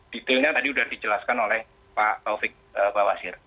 detailnya tadi sudah dijelaskan oleh pak taufik bawasir